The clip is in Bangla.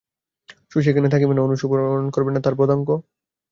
শশী এখানে থাকিবে না, অনুসরণ করবে না তার পদাঙ্ক?